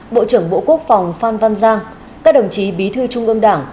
bộ trưởng bộ quốc phòng phan văn giang các đồng chí bí thư trung ương đảng